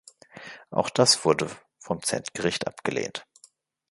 Auch das wurde vom Zentgericht abgelehnt.